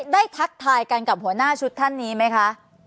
ทักทายกันกับหัวหน้าชุดท่านนี้ไหมคะ